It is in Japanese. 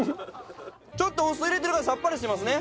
ちょっとお酢入れてるからさっぱりしてますね。